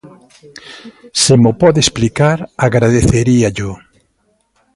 Se mo pode explicar, agradeceríallo.